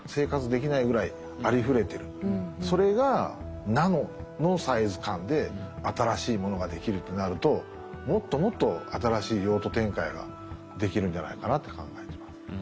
それがナノのサイズ感で新しいものができるとなるともっともっと新しい用途展開ができるんじゃないかなって考えてます。